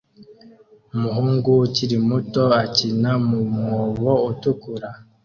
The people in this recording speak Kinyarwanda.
Umuhungu ukiri muto akina mu mwobo utukura